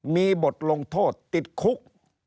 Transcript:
มีบทลงโทษติดคุก